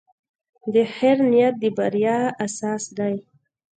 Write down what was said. د خیر نیت د بریا اساس دی.